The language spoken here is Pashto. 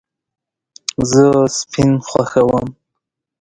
زه سپین خوښوم